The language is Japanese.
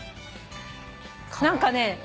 何かね